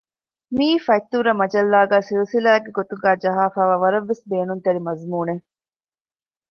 މިއީ ފަތްތޫރަ މަޖައްލާގައި ސިލްސިލާއެއްގެ ގޮތުގައި ޖަހައިފައިވާ ވަރަށް ވެސް ބޭނުންތެރި މަޒުމޫނެއް